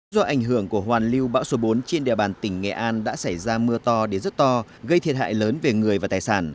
do ảnh hưởng của hoàn lưu bão số bốn trên địa bàn tỉnh nghệ an đã xảy ra mưa to đến rất to gây thiệt hại lớn về người và tài sản